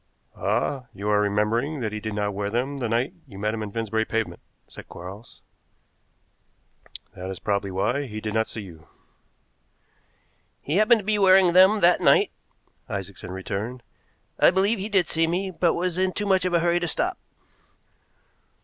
"Ah, you are remembering that he did not wear them the night you met him in Finsbury Pavement," said Quarles, "that is probably why he did not see you." "He happened to be wearing them that night," Isaacson returned. "I believe he did see me, but was in too much of a hurry to stop."